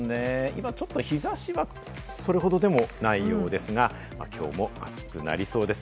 今ちょっと日差しはそれほどでもないようですが、きょうも暑くなりそうです。